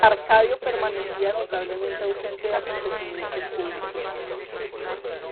Arcadio permanecía notablemente ausente de acontecimientos públicos.